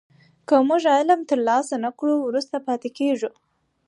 که موږ علم ترلاسه نه کړو وروسته پاتې کېږو.